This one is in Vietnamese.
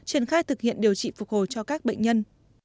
triển khai thực hiện điều trị phục hồi cho các bệnh nhân